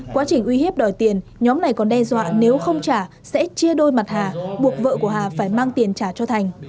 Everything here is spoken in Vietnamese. quá trình uy hiếp đòi tiền nhóm này còn đe dọa nếu không trả sẽ chia đôi mặt hà buộc vợ của hà phải mang tiền trả cho thành